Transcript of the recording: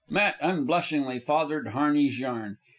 Matt unblushingly fathered Harney's yarn.